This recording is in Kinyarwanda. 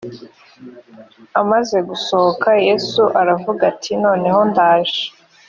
amaze gusohoka yesu aravuga ati noneho ndaje